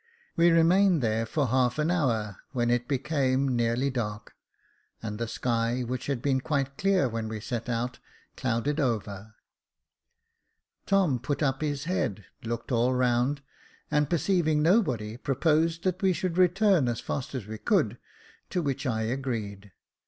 We remained there for half an hour, when it became nearly dark, and the sky, which had been quite clear when we set out, clouded over. Tom put up his head, looked all round, and perceiving nobody, proposed that we should return as fast as we could ; to which I agreed.